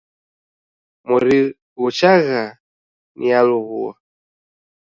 Mori ghuchagha nialow'ua.